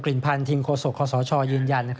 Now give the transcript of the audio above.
กลิ่นพันธุ์ทิมโคสกโคทรชอร์ยืนยัน